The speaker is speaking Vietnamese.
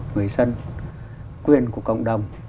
người dân quyền của công đồng